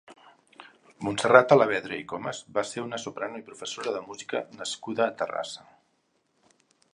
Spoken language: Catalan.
Montserrat Alavedra i Comas va ser una soprano i professora de música nascuda a Terrassa.